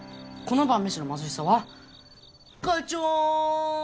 この晩飯の貧しさはガチョン！